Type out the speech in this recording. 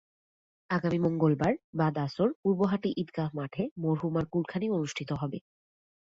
আগামী মঙ্গলবার বাদ আসর পূর্বহাটি ঈদগাহ মাঠে মরহুমার কুলখানি অনুষ্ঠিত হবে।